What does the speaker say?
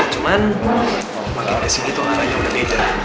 cuman makin kesini tuh alatnya udah beda